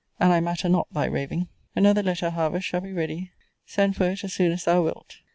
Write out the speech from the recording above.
And I matter not thy raving. Another letter, however, shall be ready, send for it a soon as thou wilt.